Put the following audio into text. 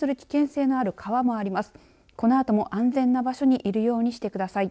このあとも安全な場所にいるようにしてください。